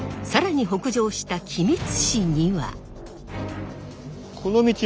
更に北上した君津市には。